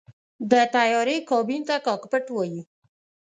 د طیارې کابین ته “کاکپټ” وایي.